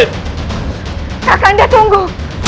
takkan dia tunggu